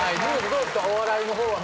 どうですか？